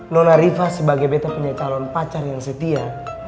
nona riva sebagai bete punya calon pacar yang setia